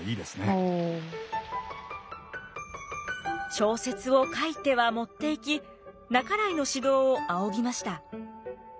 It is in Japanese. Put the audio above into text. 小説を書いては持っていき半井の指導を仰ぎました。